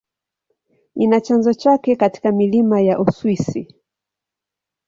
Ina chanzo chake katika milima ya Uswisi.